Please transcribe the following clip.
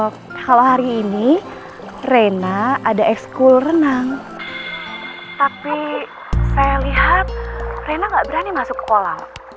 kalau hari ini rena ada ekskul renang tapi saya lihat rena gak berani masuk ke kolam